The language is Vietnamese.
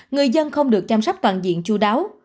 người dân không được chăm sóc toàn diện chú đáo